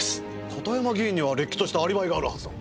片山議員にはれっきとしたアリバイがあるはずだ。